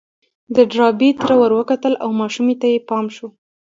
د ډاربي تره ور وکتل او ماشومې ته يې پام شو.